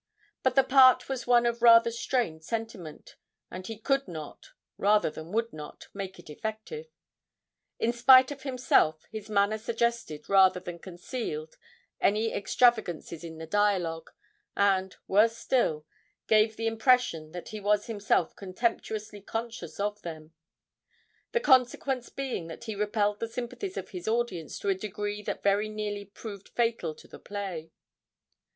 But the part was one of rather strained sentiment, and he could not, rather than would not, make it effective. In spite of himself, his manner suggested rather than concealed any extravagances in the dialogue, and, worse still, gave the impression that he was himself contemptuously conscious of them; the consequence being that he repelled the sympathies of his audience to a degree that very nearly proved fatal to the play.